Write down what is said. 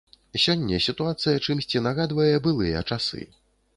Сёння сітуацыя чымсьці нагадвае былыя часы.